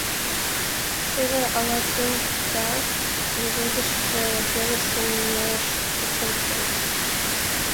Теве ала-кӧн вӱта леведышыже пелыш шумеш почылтын.